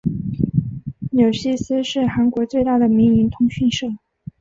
纽西斯是韩国最大的民营通讯社。